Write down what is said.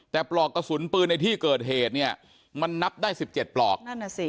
แต่ปลอกกระสุนปืนในที่เกิดเหตุเนี่ยมันนับได้๑๗ปลอกนั่นน่ะสิ